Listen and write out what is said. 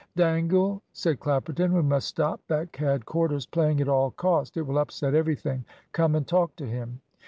"Dangle," said Clapperton, "we must stop that cad Corder's playing at all cost. It will upset everything. Come and talk to him."